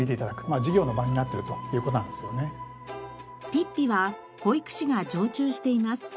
ぴっぴは保育士が常駐しています。